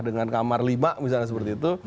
dengan kamar lima misalnya seperti itu